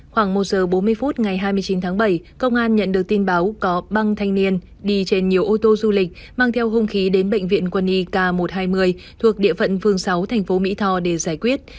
khoảng một giờ bốn mươi phút ngày hai mươi chín tháng bảy công an nhận được tin báo có băng thanh niên đi trên nhiều ô tô du lịch mang theo hung khí đến bệnh viện quân y k một trăm hai mươi thuộc địa phận phương sáu thành phố mỹ tho để giải quyết